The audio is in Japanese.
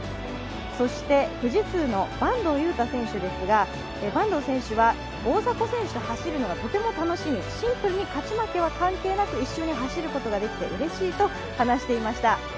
そして富士通の坂東悠汰選手ですが、大迫選手と走るのがとても楽しみ、シンプルに勝ち負けは関係なく一緒に走ることができてうれしいと話してました。